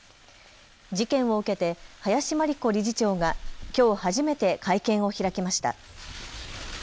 事件を受けて林真理子理事長がきょう初めて会見を開きました。